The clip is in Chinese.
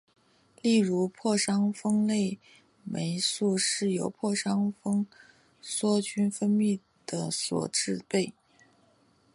例如破伤风类毒素是由破伤风梭菌分泌的所制备。